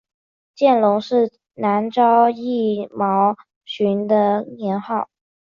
见龙是南诏异牟寻的年号。